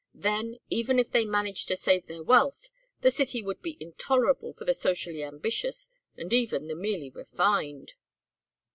Then, even if they managed to save their wealth, the city would be intolerable for the socially ambitious or even the merely refined."